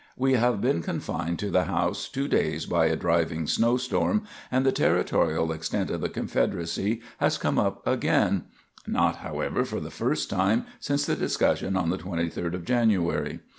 We have been confined to the house two days by a driving snow storm, and the territorial extent of the Confederacy has come up again, not, however, for the first time since the discussion on the 23d of January.